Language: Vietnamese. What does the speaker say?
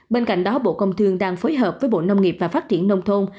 bên cạnh đó bộ công thương đang phối hợp với bộ nông nghiệp và phát triển nông thôn